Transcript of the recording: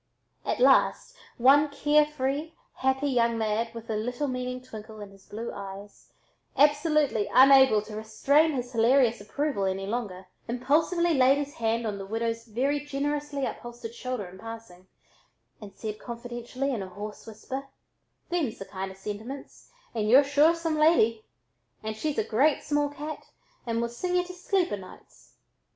At last, one care free, happy young lad, with a little meaning twinkle in his blue eyes, absolutely unable to restrain his hilarious approval any longer, impulsively laid his hand on the widow's very generously upholstered shoulder in passing, and said confidentially in a hoarse whisper: "Thems the kind of sentiments, and y'u're sure some lady! And she's a great small cat and will sing y'u to sleep o' nights."